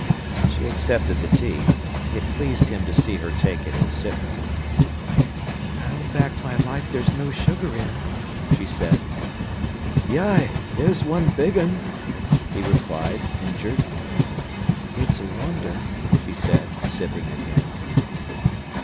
She accepted the tea. It pleased him to see her take it and sip it. "I'll back my life there's no sugar in," she said. "Yi—there's one big un," he replied, injured. "It's a wonder," she said, sipping again.